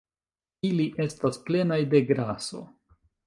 Ili estas plenaj de graso